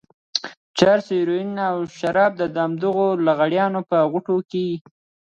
چرس، هيروين او شراب د همدغو لغړیانو په غوټو کې.